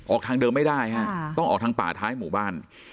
ทางเดิมไม่ได้ฮะต้องออกทางป่าท้ายหมู่บ้าน